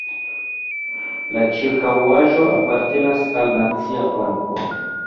La ĉirkaŭaĵo apartenas al Nacia parko.